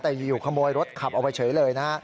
แต่อยู่ขโมยรถขับออกไปเฉยเลยนะฮะ